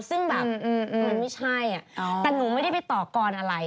ซึ่งแบบมันไม่ใช่แต่หนูไม่ได้ไปต่อกรอะไร